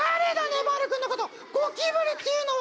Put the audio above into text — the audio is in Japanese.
ねばる君のことゴキブリっていうのは！